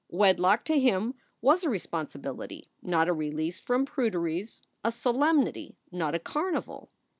Wedlock to him was a responsibility, not a release from pruderies, a solemnity, not a carnival.